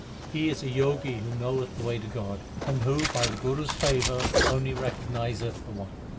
2 He is a Jogi who knoweth the way to God, And who by the Guru s favour only recognizeth the One.